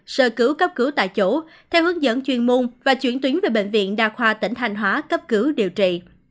sơ cứu cấp cứu tại chỗ theo hướng dẫn chuyên môn và chuyển tuyến về bệnh viện đa khoa tỉnh thanh hóa cấp cứu điều trị